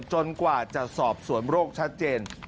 กว่าจะสอบสวนโรคชัดเจน